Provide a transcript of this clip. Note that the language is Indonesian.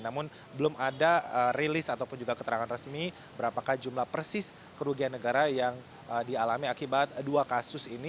namun belum ada rilis ataupun juga keterangan resmi berapakah jumlah persis kerugian negara yang dialami akibat dua kasus ini